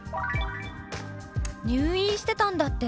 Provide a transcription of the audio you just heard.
「入院してたんだって？